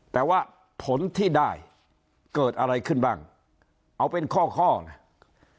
แต่ว่าผลที่ได้เกิดอะไรขึ้นบ้างเอาเป็นข้อข้อนะ